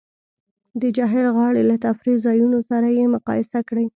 د جهیل غاړې له تفریح ځایونو سره یې مقایسه کړئ